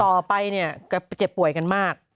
ต่อไปเนี่ยก็เจ็บป่วยกันมาก